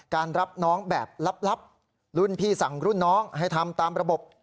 การรับน้องแบบรับรับลูนพี่สั่งลูนน้องให้ทำตามระบบ